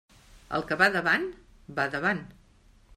El que va davant, va davant.